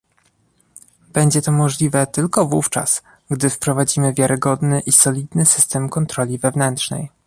Będzie to możliwe tylko wówczas, gdy wprowadzimy wiarygodny i solidny system kontroli wewnętrznej